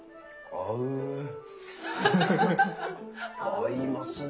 合いますね！